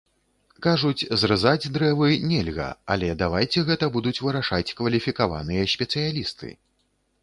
Кажуць, зрэзаць дрэвы нельга, але давайце гэта будуць вырашаць кваліфікаваныя спецыялісты.